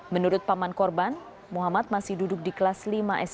menurut paman korban muhammad masih duduk di kelas lima smp